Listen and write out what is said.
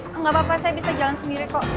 enggak apa apa saya bisa jalan sendiri kok